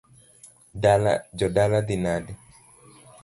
Jodala dhi nade?